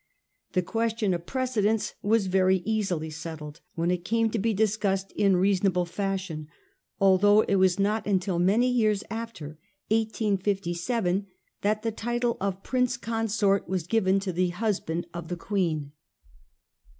The question of precedence was very easily settled when it came to be discussed in reasonable fashion ; although it was not until many years after, 1857, that the. title of Prince Consort was given to the husband of the Queen.